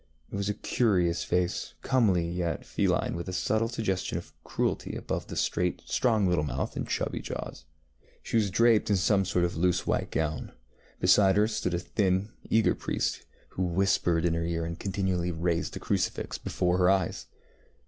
It was a curious face, comely and yet feline, with a subtle suggestion of cruelty about the straight, strong little mouth and chubby jaw. She was draped in some sort of loose white gown. Beside her stood a thin, eager priest, who whispered in her ear, and continually raised a crucifix before her eyes.